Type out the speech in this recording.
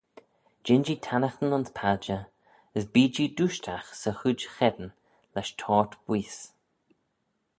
Jean-jee tannaghtyn ayns padjer; as bee-jee dooishtagh 'sy chooid cheddin lesh toyrt-booise.